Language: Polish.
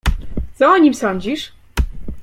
"Co o nim sądzisz?"